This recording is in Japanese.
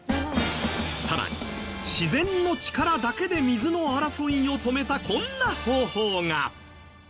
さらに自然の力だけで水の争いを止めたこんな方法が。